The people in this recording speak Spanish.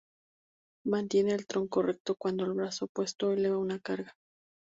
Mantiene el tronco recto cuando el brazo opuesto eleva una carga.